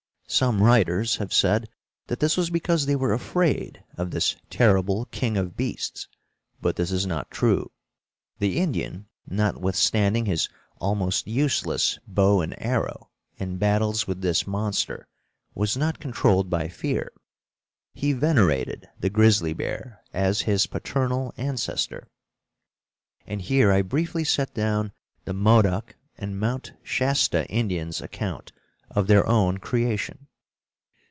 Some writers have said that this was because they were afraid of this terrible king of beasts. But this is not true. The Indian, notwithstanding his almost useless bow and arrow in battles with this monster, was not controlled by fear. He venerated the grizzly bear as his paternal ancestor. And here I briefly set down the Modoc and Mount Shasta Indians' account of their own creation.